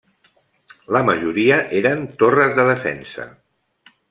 La majoria eren torres de defensa.